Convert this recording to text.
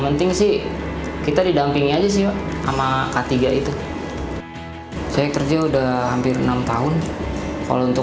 penting sih kita didampingi aja sih sama k tiga itu saya kerja udah hampir enam tahun kalau untuk